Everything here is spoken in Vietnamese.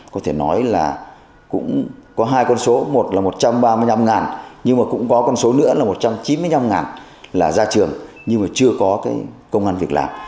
có thể nói là cũng có hai con số một là một trăm ba mươi năm nhưng mà cũng có con số nữa là một trăm chín mươi năm là ra trường nhưng mà chưa có cái công an việc làm